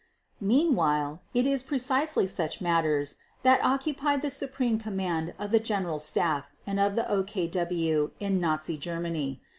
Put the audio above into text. Meanwhile it is precisely such matters that occupied the supreme command of the General Staff and of the OKW in Nazi Germany.